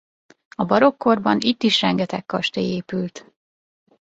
A barokk korban itt is rengeteg kastély épült.